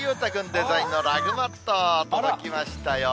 デザインのラグマット、届きましたよ。